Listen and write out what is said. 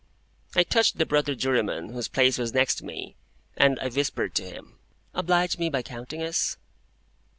I touched the brother jurymen whose place was next me, and I whispered to him, "Oblige me by counting us."